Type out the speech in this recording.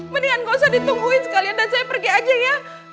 mendingan gak usah ditungguin sekalian dan saya pergi aja ya